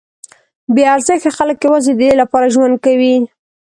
بې ارزښته خلک یوازې ددې لپاره ژوند کوي.